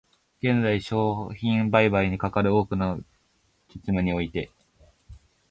現在、商品売買にかかる多くの実務において、